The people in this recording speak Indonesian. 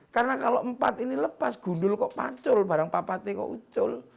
karena kalau empat ini lepas gundul kok pacul barang papati kok ucul